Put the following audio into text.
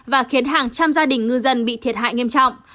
và khiến hàng trăm gia đình ngư dân bị thiệt hại nghiêm trọng